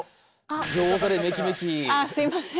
あすいません。